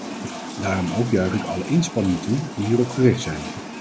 Daarom ook juich ik alle inspanningen toe die hierop gericht zijn.